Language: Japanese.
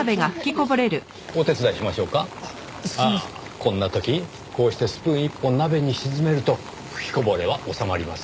こんな時こうしてスプーン１本鍋に沈めると噴きこぼれは収まります。